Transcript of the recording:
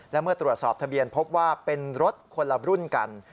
และเมื่อตรวจสอบทะเบียนพบว่าเป็นรถคนละรุ่นกัน